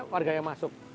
keluarga yang masuk